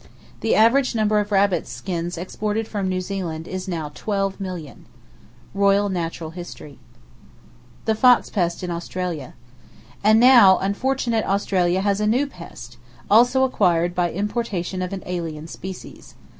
The average number of rabbit skins exported from New Zealand is now twelve millions."—(Royal Natural History.) [Page 332] The Fox Pest In Australia. —And now unfortunate Australia has a new pest, also acquired by importation of an alien species.